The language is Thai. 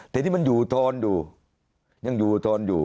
แต่ที่มันอยู่ทอนดูยังอยู่ทอนดู